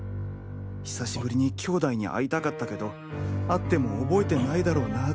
「久しぶりに兄弟に会いたかったけど会っても覚えてないだろうなぁ」